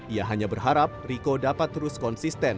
ia hanya berharap riko dapat terus konsisten